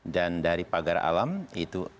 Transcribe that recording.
dan dari pagar alam itu